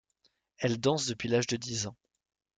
Elle danse depuis l'âge de dix ans.